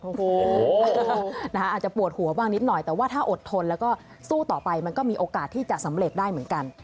โอ้โหอาจจะปวดหัวบ้างนิดหน่อยแต่ว่าถ้าอดทนแล้วก็สู้ต่อไปมันก็มีโอกาสที่จะสำเร็จได้เหมือนกัน